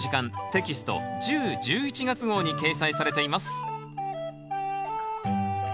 テキスト１０・１１月号に掲載されています